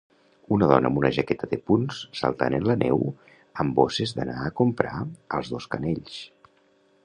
Una dona amb una jaqueta de punts saltant en la neu amb bosses d'anar a comprar als dos canells